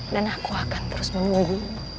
dan aku akan terus menunggu